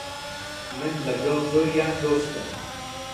من لەگەڵ زۆریان دۆستم.